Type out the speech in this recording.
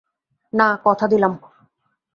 না, কথা দিলাম।